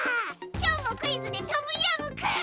きょうもクイズでトムヤムクン！